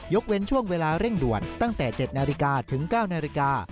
เว้นช่วงเวลาเร่งด่วนตั้งแต่๗นาฬิกาถึง๙นาฬิกา